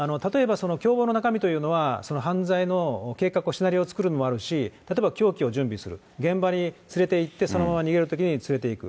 例えば犯罪の計画を、シナリオを作るというのもあるし、例えば凶器を準備する、現場に連れていって、そのまま逃げるときに連れていく。